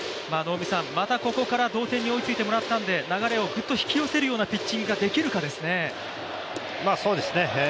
またここから同点に追いついてもらったので流れをグッと引き寄せるようなピッチングができるかですよね。